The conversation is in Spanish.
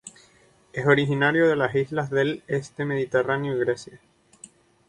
Es originario de las islas del este del Mediterráneo y Grecia.